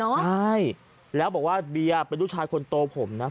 ใช่แล้วบอกว่าเบียร์เป็นลูกชายคนโตผมนะ